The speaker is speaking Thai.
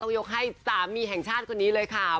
ยกให้สามีแห่งชาติคนนี้เลยค่ะ